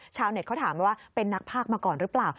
ชาวเน็ตเขาถามว่าเป็นนักภาคมาก่อนหรือเปล่า